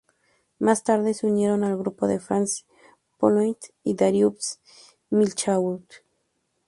Más tarde se unieron al grupo Francis Poulenc y Darius Milhaud.